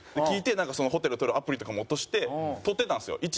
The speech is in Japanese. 聞いてなんかそのホテル取るアプリとかも落として取ってたんですよ